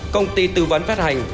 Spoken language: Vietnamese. công ty tư vấn phát hành